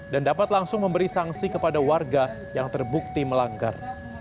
dan dapat langsung memberi sanksi kepada warga yang terbukti melanggar